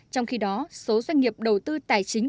trong khi đó số doanh nghiệp đầu tư tài chính